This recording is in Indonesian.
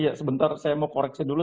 ya sebentar saya mau koreksi dulu